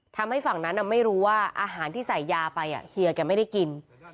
ทำให้ฝั่งนั้นไม่รู้ว่าอาหารที่ใส่ยาไปเฮียแกไม่ได้กิน